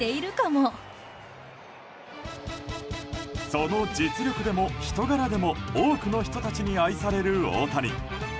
その実力でも、人柄でも多くの人たちに愛される大谷。